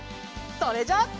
それじゃ。